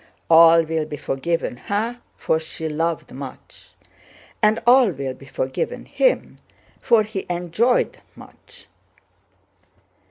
"All will be forgiven her, for she loved much; and all will be forgiven him, for he enjoyed much."